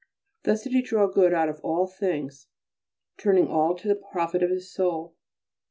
Thus did he draw good out of all things, turning all to the profit of his soul.